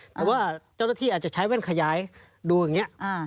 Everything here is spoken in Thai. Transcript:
แต่ว่าเจ้าหน้าที่อาจจะใช้แว่นขยายดูอย่างนี้